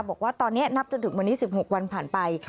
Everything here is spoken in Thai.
บอกว่าตอนนี้นับจนถึงวันนี้๑๖วันผ่านไป